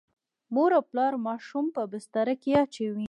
مور او پلار ماشوم په بستره کې اچوي.